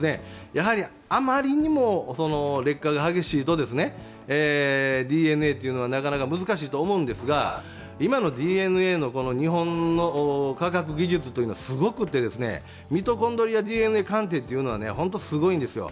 あまりにも劣化が激しいとＤＮＡというのはなかなか難しいと思うんですが今のＤＮＡの日本の科学技術はすごくて、ミトコンドリアＤＮＡ型鑑定というのは本当にすごいんですよ。